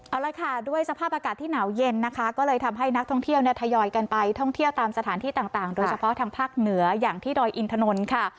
เอาละค่ะด้วยสภาพอากาศที่หนาวเย็นนะคะก็เลยทำให้นักท่องเที่ยวเนี่ยทยอยกันไปท่องเที่ยวตามสถานที่ต่างโดยเฉพาะทางภาคเหนืออย่างที่ดอยอินทนนท์ค่ะ